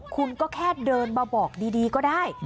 คุณก็แค่เดินมาบอกดีก็ได้